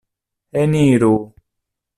Eniru!